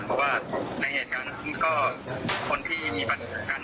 เพราะว่าในเหตุการณ์มันก็คนที่มีปัญหากัน